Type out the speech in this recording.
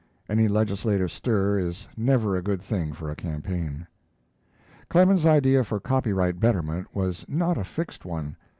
Any legislative stir is never a good thing for a campaign. Clemens's idea for copyright betterment was not a fixed one.